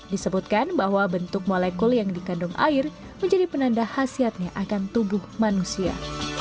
disebutkan bahwa bentuk molekul yang dikandung air menjadi penanda khasiatnya akan tubuh manusia